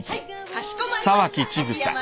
かしこまりました。